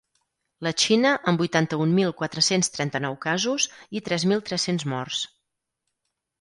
La Xina, amb vuitanta-un mil quatre-cents trenta-nou casos i tres mil tres-cents morts.